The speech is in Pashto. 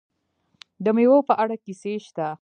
د میوو په اړه کیسې شته.